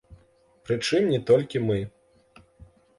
Прычым не толькі мы.